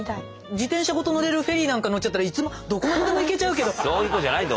自転車ごと乗れるフェリーなんか乗っちゃったらどこまででも行けちゃうけど。